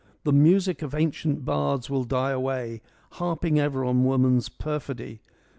The music of ancient bards will die away, harping ever on woman's perfidy.